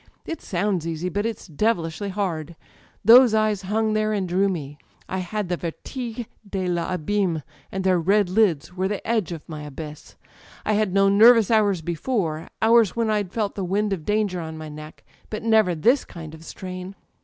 It sounds easy, but it*s devilish hard. Those eyes hung there and drew me. I had the vertige de VahimSy and their red lids were the edge of my abyss. .. I had known nervous hours before: hours when I'd felt the wind of danger in my neck; but never this kind of strain.